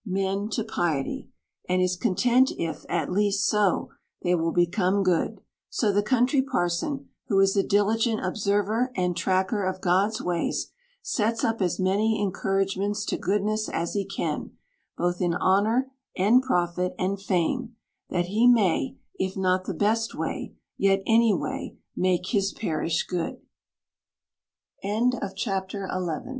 31 men to piety ; and is content if, at least so, they will become good : so the country parson, who is a diligent observer and tracker of God's ways, sets up as many encouragements to goodness as he can, both in honor, and profit, and fame ; that he may, if not the best way, yet any way, m